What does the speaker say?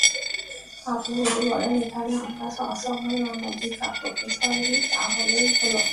আপনি যদি বলেন, এখানে আমার অসময়ে অনধিকার প্রবেশ হয় নি তা হলেই হল।